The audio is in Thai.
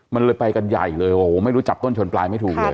มันเลยไปกันใหญ่เลยโอ้โหไม่รู้จับต้นชนปลายไม่ถูกเลย